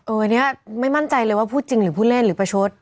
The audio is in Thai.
อันนี้ไม่มั่นใจเลยว่าพูดจริงหรือผู้เล่นหรือประชด